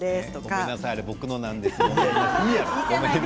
ごめんなさい僕のなんです。